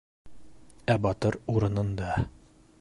Ә Батыр урынында...